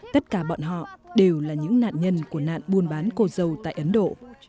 tất cả bọn họ đều là những nạn nhân của nạn buôn bán cô dâu tại ấn độ